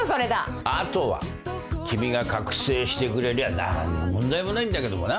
あとは君が覚醒してくれりゃ何の問題もないんだけどもな。